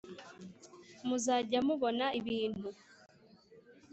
muzajya mubona ibintu